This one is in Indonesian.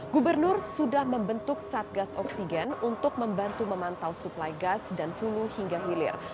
gubernur sudah membentuk satgas oksigen untuk membantu memantau suplai gas dan hulu hingga hilir